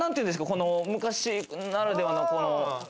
この昔ならではの、この。